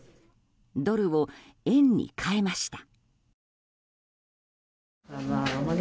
ドルを円に替えました。